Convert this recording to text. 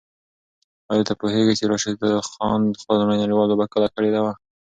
آیا ته پوهېږې چې راشد خان خپله لومړۍ نړیواله لوبه کله کړې وه؟